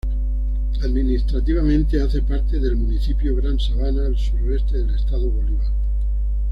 Administrativamente hace parte del Municipio Gran Sabana al sureste del Estado Bolívar.